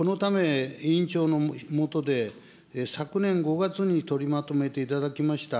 このため委員長の下で、昨年５月に取りまとめていただきました